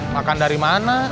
makan dari mana